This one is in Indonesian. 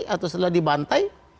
atau setelah dibantai